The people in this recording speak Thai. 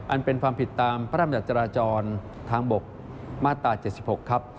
อันเป็นความผิดตามพระรำจัดจราจรทางบกมาตรา๗๖ครับ